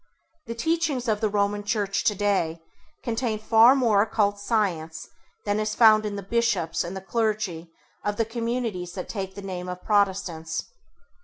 The teachings of the Roman Church today contain far more occult science than is found in the bishops and the clergy of the communities that take the name of Protestants.